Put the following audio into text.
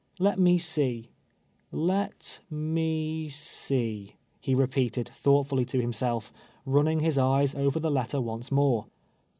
"Let me see — 1 e t m e s e e !" he repeated, thougtitfnlly to himself, running his eyes over the let ter once more.